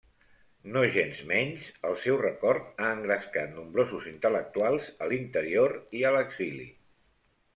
Nogensmenys, el seu record ha engrescat nombrosos intel·lectuals a l'interior i a l'exili.